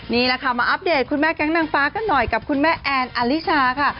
นี่แหละค่ะมาอัปเดตคุณแม่แก๊งนางฟ้ากันหน่อยกับคุณแม่แอนอลิชาค่ะ